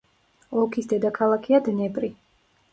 ოლქის დედაქალაქია დნეპრი.